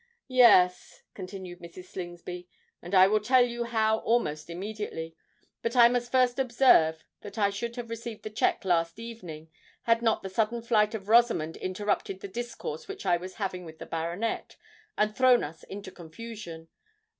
"Yes," continued Mrs. Slingsby, "and I will tell you how almost immediately. But I must first observe that I should have received the cheque last evening had not the sudden flight of Rosamond interrupted the discourse which I was having with the baronet, and thrown us into confusion.